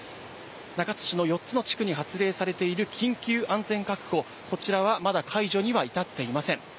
中津市の４つの地区に発令されている緊急安全確保、こちらはまだ解除には至っていません。